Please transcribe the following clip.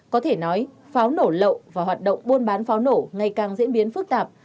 có thể nói pháo nổ lậu và hoạt động buôn bán pháo nổ ngày càng diễn biến phức tạp